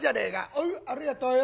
おうありがとうよ。